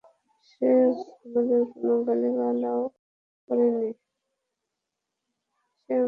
সে আমাদের কোন গালাগালিও করেনি।